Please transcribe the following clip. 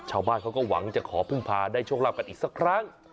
ชาวบ้านเขาก็หวังจะขอพึ่งพาได้โชคลาภกันอีกสักครั้ง